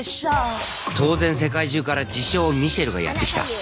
当然世界中から自称ミシェルがやって来た。